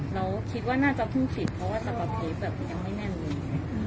เราคิดว่าน่าจะพึ่งผลิตเพราะว่าสประเภทแบบนี้ยังไม่แน่นหนึ่ง